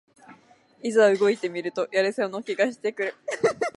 いざ動いてみるとやれそうな気がしてくる